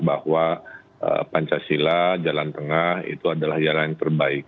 bahwa pancasila jalan tengah itu adalah jalan yang terbaik